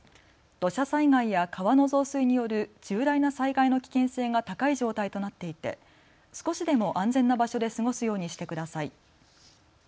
土砂災害や川の増水による重大な災害の危険が高い状態となっていて少しでも安全な場所で過ごすようにしてください。